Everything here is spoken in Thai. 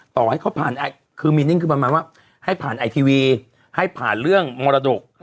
ต่อให้เขาผ่านคือมีนิ่งคือประมาณว่าให้ผ่านไอทีวีให้ผ่านเรื่องมรดก